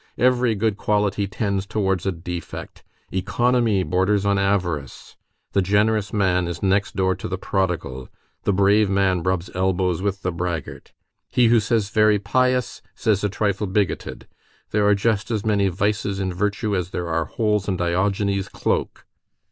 Every good quality tends towards a defect; economy borders on avarice, the generous man is next door to the prodigal, the brave man rubs elbows with the braggart; he who says very pious says a trifle bigoted; there are just as many vices in virtue as there are holes in Diogenes' cloak.